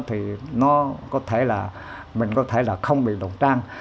thì mình có thể là không bị lộn trang